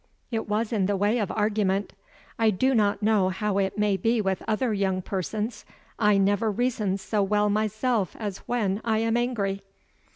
It was in the way of argument. I do not know how it may be with other young persons, I never reason so well myself as when I am angry.